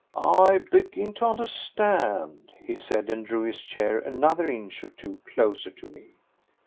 "I begin to understand," he said, and drew his chair another inch or two closer to me.